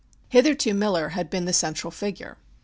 Hitherto Miller had been the central figure.